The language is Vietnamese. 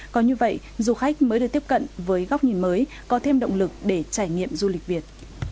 có như vậy du khách mới được tiếp cận với góc nhìn mới có thêm động lực để trải nghiệm du lịch việt